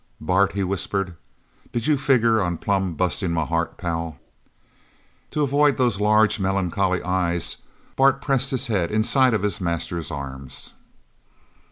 "Bart!" he whispered. "Did you figger on plumb bustin' my heart, pal?" To avoid those large melancholy eyes, Bart pressed his head inside of his master's arms.